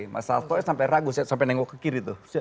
mas sasto sampai ragu sampai nengok ke kiri tuh